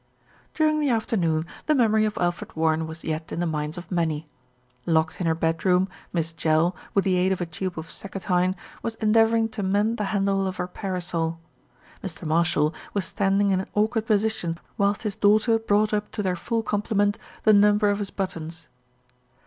During the afternoon the memory of Alfred Warren was yet in the minds of many. Locked in her bed room, Miss Jell, with the aid of a tube of seccotine, was endeavouring to mend the handle of her parasol. Mr. Marshall was standing in an awkward position whilst his daughter brought up to their full comple ment the number of his buttons.